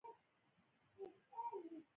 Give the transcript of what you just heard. د یو جریب ځمکې لپاره څومره د غنمو تخم پکار دی؟